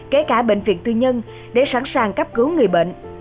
kể cả bệnh viện tư nhân để sẵn sàng cấp cứu người bệnh